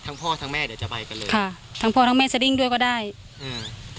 พ่อทั้งแม่เดี๋ยวจะไปกันเลยค่ะทั้งพ่อทั้งแม่สดิ้งด้วยก็ได้อืม